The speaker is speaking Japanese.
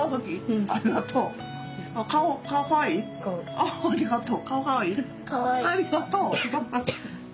ありがとう。